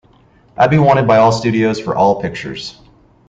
I'd be wanted by all studios for all pictures.